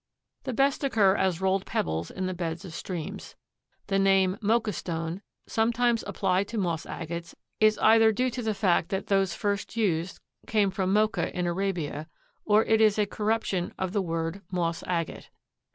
The best occur as rolled pebbles in the beds of streams. The name, "Mocha stone," sometimes applied to moss agates is either due to the fact that those first used came from Mocha in Arabia, or it is a corruption of the word moss agate.